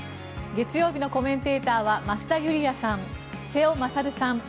月曜日のコメンテーターは増田ユリヤさん、瀬尾傑さん。